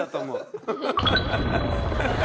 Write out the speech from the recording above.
ハハハハ！